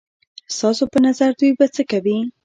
ستاسو په نظر دوی به څه کوي؟